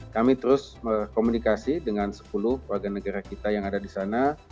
kami terus berkomunikasi dengan sepuluh warga negara kita yang ada di sana